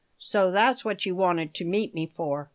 "So that's what you wanted to meet me for?"